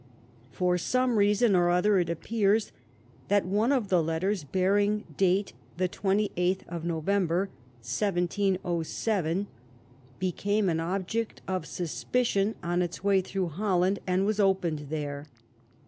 For some reason or other it appears that one of the letters, bearing date the 28th of November, 1707, became an object of suspicion on its way through Holland, and was opened there.